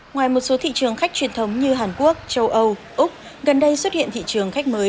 ngoài một số thị trường khách truyền thống như hàn quốc châu âu úc gần đây xuất hiện thị trường khách mới